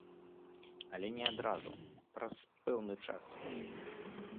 Але не адразу, праз пэўны час.